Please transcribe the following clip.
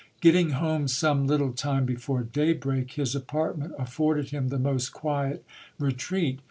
Getting home some little time before day br ak, his apartment afforded him the most quiet retreat.